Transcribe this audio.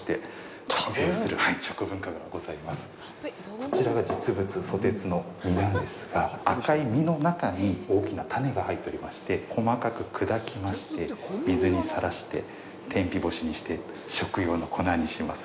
こちらが実物、ソテツの実なんですが赤い実の中に大きな種が入っておりまして細かく砕きまして、水にさらして天日干しにして、食用の粉にします。